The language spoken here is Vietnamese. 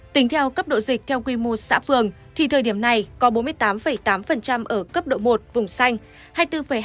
tính theo cấp độ dịch theo quy mô xã phường thì thời điểm này có bốn mươi tám tám ở cấp độ một vùng xanh